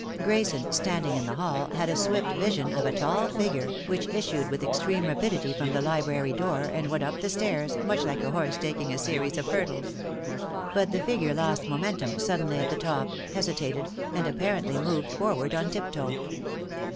Grayson, standing in the hall, had a swift vision of a tall figure, which issued with extreme rapidity from the library door, and went up the stairs, much like a horse taking a series of hurdles. But the figure lost momentum suddenly at the top, hesitated, and apparently moved forward on tiptoe.